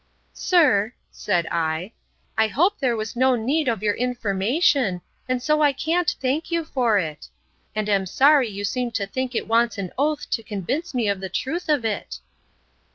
—Sir, said I, I hope there was no need of your information, and so I can't thank you for it; and am sorry you seem to think it wants an oath to convince me of the truth of it.